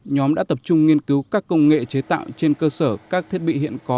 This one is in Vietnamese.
nhóm đã tập trung nghiên cứu các công nghệ chế tạo trên cơ sở các thiết bị hiện có